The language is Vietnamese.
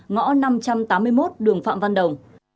ngõ năm trăm tám mươi một đường phạm văn đồng